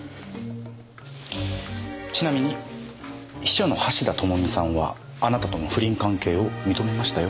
ちなみに秘書の橋田智美さんはあなたとの不倫関係を認めましたよ。